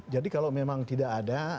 jadi kalau memang tidak ada